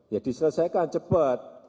ya diselesaikan cepat